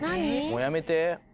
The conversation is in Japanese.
もうやめて。